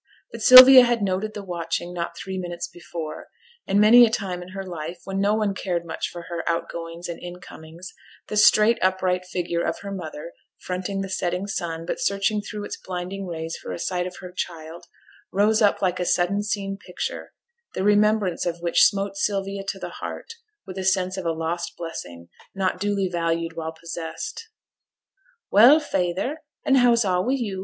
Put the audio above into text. But Sylvia had noted the watching not three minutes before, and many a time in her after life, when no one cared much for her out goings and in comings, the straight, upright figure of her mother, fronting the setting sun, but searching through its blinding rays for a sight of her child, rose up like a sudden seen picture, the remembrance of which smote Sylvia to the heart with a sense of a lost blessing, not duly valued while possessed. 'Well, feyther, and how's a' wi' you?'